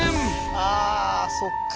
ああそっか。